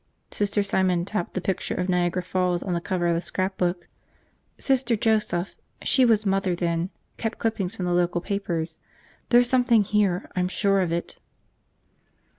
Sister Simon tapped the picture of Niagara Falls on the cover of the scrapbook. "Sister Joseph – she was Mother then – kept clippings from the local papers. There's something here, I'm sure of it!"